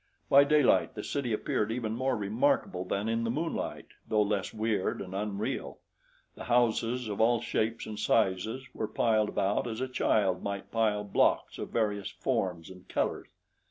By daylight the city appeared even more remarkable than in the moonlight, though less weird and unreal. The houses of all shapes and sizes were piled about as a child might pile blocks of various forms and colors.